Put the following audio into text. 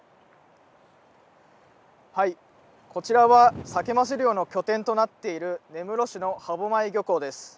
こちらは、サケ・マス漁の拠点となっている、根室市の歯舞漁港です。